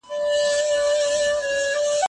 د شاګرد څېړونکي مسؤلیت ډېر دروند دی.